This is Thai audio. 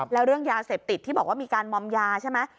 แล้วเรื่องยาเสพติดที่บอกว่ามีการมอมยาใช่ไหม